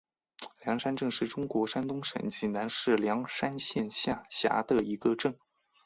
梁山镇是中国山东省济宁市梁山县下辖的一个镇。